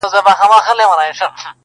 او که هسي شین امي نیم مسلمان یې!.